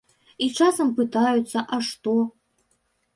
І часам пытаюцца, а што?